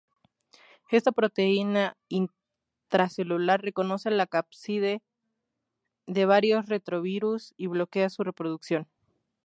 Esta proteína intracelular reconoce la cápside de varios retrovirus y bloquea su reproducción.